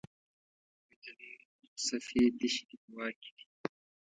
منځنۍ صفحې یې تشې دي په واک کې دي.